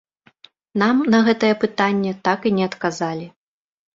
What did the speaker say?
Нам на гэтае пытанне так і не адказалі.